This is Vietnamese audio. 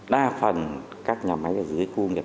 đa phần các nhà máy ở dưới khu nghiệp